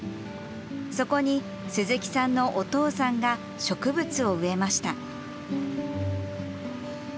そこに、鈴木さんのお父さんが植物を植えました。